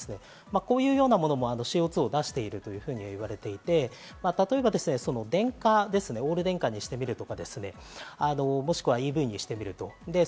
こういうものもＣＯ２を出しているというふうに言われていて、例えば、電化、オール電化にしてみるとか、もしくはＥＶにしてみる。